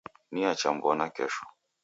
Niacha mw'ona kesho